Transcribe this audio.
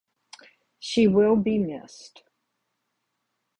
She will be missed.